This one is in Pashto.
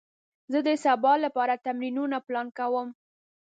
زه د سبا لپاره تمرینونه پلان کوم.